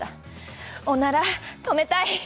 おなら止めたい！